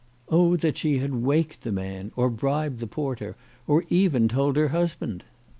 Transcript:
Oh that she had waked the man, or bribed the porter, or even told her husband